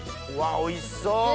うわおいしそう！